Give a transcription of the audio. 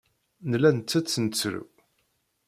Nella nttett, nettru.